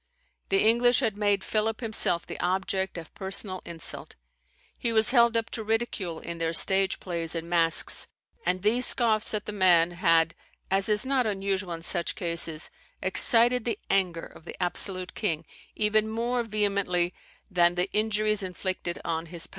The English had made Philip himself the object of personal insult. He was held up to ridicule in their stage plays and masks, and these scoffs at the man had (as is not unusual in such cases) excited the anger of the absolute king, even more vehemently than the injuries inflicted on his power.